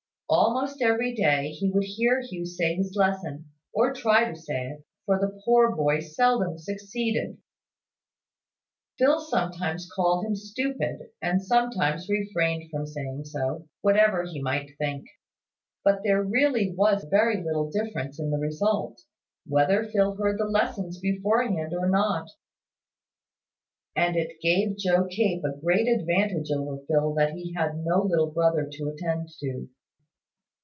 Almost every day he would hear Hugh say his lesson or try to say it; for the poor boy seldom succeeded. Phil sometimes called him stupid, and sometimes refrained from saying so, whatever he might think; but there really was very little difference in the result, whether Phil heard the lessons beforehand or not; and it gave Joe Cape a great advantage over Phil that he had no little brother to attend to.